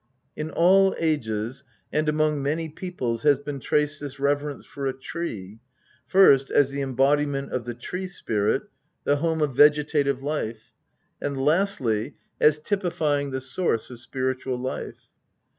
In all ages and among many peoples has been traced this reverence for a tree first, as the embodi ment of the tree spirit, the home of vegetative life ; and, lastly, as typifying the source of spiritual life.